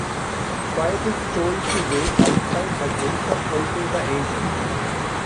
Poet is told to wait outside, but ends up helping the Angels.